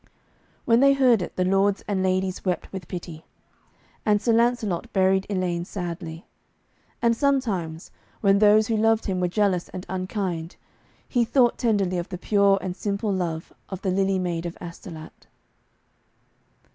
When they heard it the lords and ladies wept with pity. And Sir Lancelot buried Elaine sadly. And sometimes when those who loved him were jealous and unkind, he thought tenderly of the pure and simple love of the Lily Maid of Astolat.